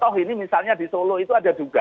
contoh ini misalnya di solo itu ada dua hal